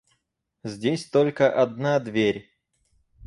Здесь только одна дверь.